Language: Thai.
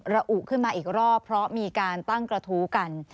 อุขึ้นมาอีกรอบเพราะมีการตั้งกระทู้กัน